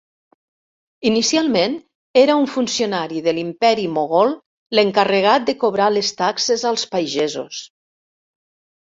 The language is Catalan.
Inicialment era un funcionari de l'Imperi Mogol l'encarregat de cobrar les taxes als pagesos.